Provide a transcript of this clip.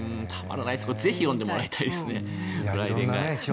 ぜひ読んでもらいたいですね。